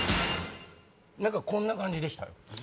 何かこんな感じでしたよ。